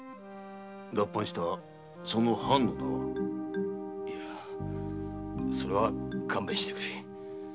脱藩したその藩の名は？それは勘弁してくれ。